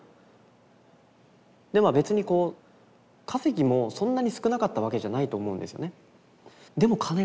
でまあ別にこう稼ぎもそんなに少なかったわけじゃないと思うんですよね。